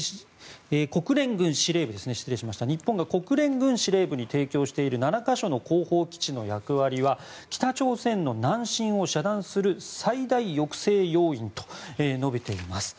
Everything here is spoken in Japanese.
日本が国連軍司令部に提供している７か所の後方基地の役割は北朝鮮の南侵を遮断する最大抑制要因と述べています。